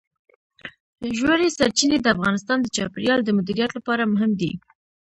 ژورې سرچینې د افغانستان د چاپیریال د مدیریت لپاره مهم دي.